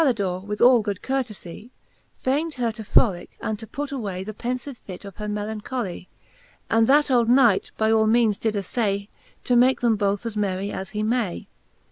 IX But Calldore with all good coiirtefie Fain'd her to frolicke, and to put away The penfive fit of her melancholic; And that old Knight by all meanes did aflay. To make them both as merry as he may.